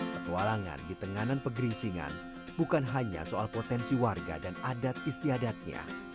petualangan di tenganan pegeringsingan bukan hanya soal potensi warga dan adat istiadatnya